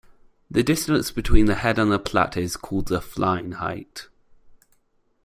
The distance between the head and platter is called the flying height.